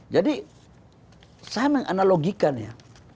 jadi saya menganalogikan ya